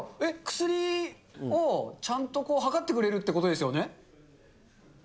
薬を、ちゃんとはかってくれるってことですよね。